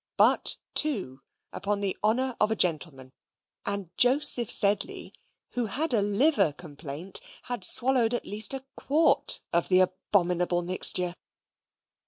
but two, upon the honour of a gentleman; and Joseph Sedley, who had a liver complaint, had swallowed at least a quart of the abominable mixture.